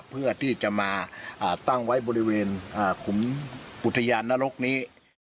เพื่อที่จะมาตั้งไว้บริเวณขุมอุทยานนรกนี้